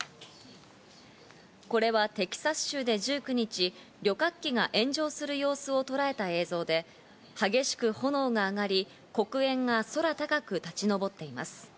これはテキサス州で１９日、旅客機が炎上する様子をとらえた映像で激しく炎が上がり、黒煙が空高く立ち上っています。